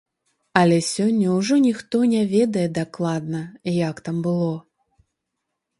Але сёння ўжо ніхто не ведае дакладна, як там было.